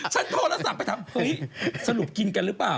โทรศัพท์ไปถามเฮ้ยสรุปกินกันหรือเปล่า